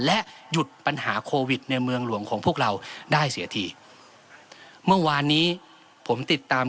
และหยุดปัญหาโควิดในเมืองหลวงของพวกเราได้เสียทีเมื่อวานนี้ผมติดตาม